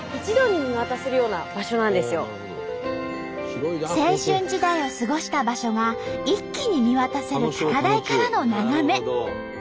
ここは青春時代を過ごした場所が一気に見渡せる高台からの眺め。